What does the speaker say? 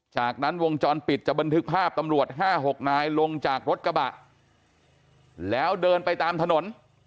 จากนั้นวงจรปิดจะบันทึกภาพตำรวจ๕๖นายลงจากรถกระบะแล้วเดินไปตามถนน